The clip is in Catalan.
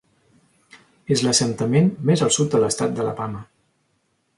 És l'assentament més al sud de l'estat d'Alabama.